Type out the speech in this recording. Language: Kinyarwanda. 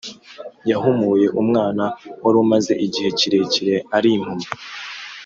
Yahumuye umwana warumaze igihe kirekire arimpumyi